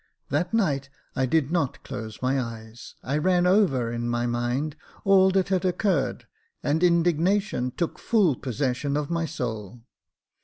That night I did not close my eyes. I ran over, in my mind, all that had occurred, and mdignation took full possession of my soul.